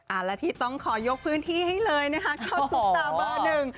อ่าแล้วที่ต้องขอยกพื้นที่ให้เลยนะคะเกี่ยวสุกตาร์เบอร์๑